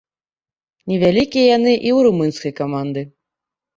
Невялікія яны і ў румынскай каманды.